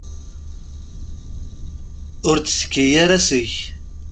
Ur d-tekki ara seg-k.